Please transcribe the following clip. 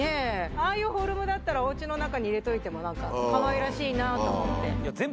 ああいうフォルムだったらおうちの中に入れといてもかわいらしいなと思って。